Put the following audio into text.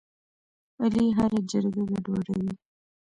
علي هره جرګه ګډوډوي.